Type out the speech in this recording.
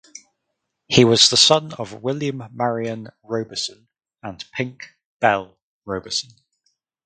He was the son of William Marion Roberson and Pink Roberson.